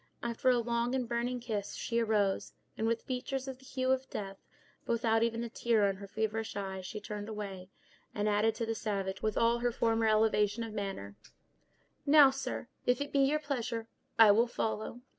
After a long and burning kiss, she arose, and with features of the hue of death, but without even a tear in her feverish eye, she turned away, and added, to the savage, with all her former elevation of manner: "Now, sir, if it be your pleasure, I will follow."